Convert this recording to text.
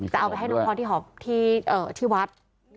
จะเอาไปให้น้องพรที่วัด